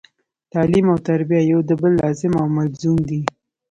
تعلیم او تربیه یو د بل لازم او ملزوم دي